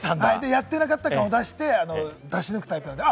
やってなかった感を出して出し抜くタイプです。